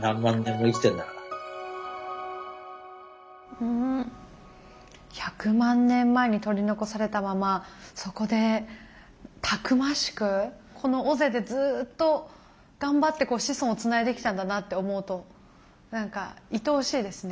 うん１００万年前に取り残されたままそこでたくましくこの尾瀬でずっと頑張って子孫をつないできたんだなって思うと何かいとおしいですね。